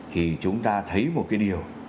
thì chúng ta thấy một cái điều